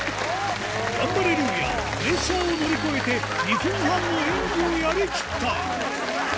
ガンバレルーヤ、プレッシャーを乗り越えて、２分半の演技をやりきった。